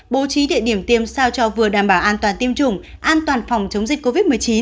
bố trí địa điểm tiêm sao cho vừa đảm bảo an toàn tiêm chủng an toàn phòng chống dịch covid một mươi chín